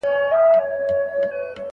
د پېښو سپړل اسانه کار نه دی.